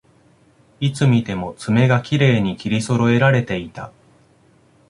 いつ見ても爪がきれいに切りそろえられていた